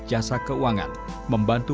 jasa keuangan membantu